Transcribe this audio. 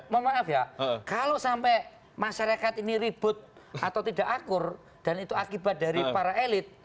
mohon maaf ya kalau sampai masyarakat ini ribut atau tidak akur dan itu akibat dari para elit